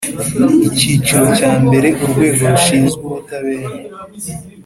icyiciro cya mbere Urwego rushinzwe ubutabera